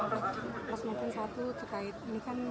dikebutuhkan dari mahkamah agung